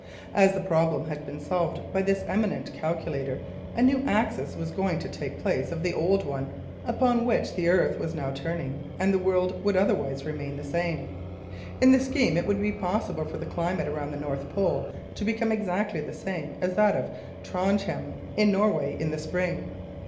As the problem had been solved by this eminent calculator a new axis was going to take the place of the old one upon which the earth was now turning, and the world would otherwise remain the same. In the scheme it would be possible for the climate around the North Pole to become exactly the same as that of Trondhjem, in Norway, in the Spring.